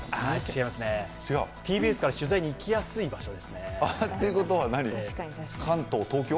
違いますね、ＴＢＳから取材に行きやすい場所ですね。ということは関東、東京？